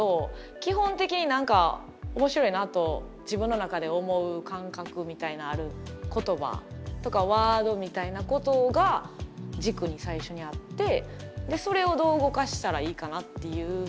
基本的に何か面白いなと自分の中で思う感覚みたいなある言葉とかワードみたいなことが軸に最初にあってそれをどう動かしたらいいかなっていう進め方が多いですね。